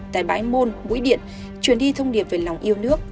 tại bãi môn mũi điện truyền đi thông điệp về lòng yêu nước